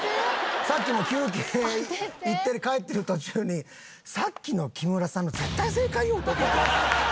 さっきも休憩行って帰ってる途中にさっきの木村さんの絶対正解よ！って怒ってました。